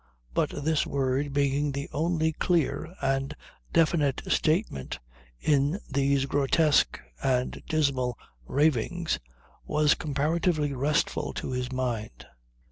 But this word being the only clear and definite statement in these grotesque and dismal ravings was comparatively restful to his mind.